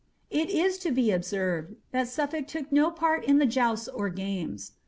It is to be observed tliat Suffolk took no part in the jousts or games.